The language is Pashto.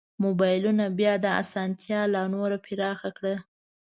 مبایلونو بیا دا اسانتیا لا نوره پراخه کړه.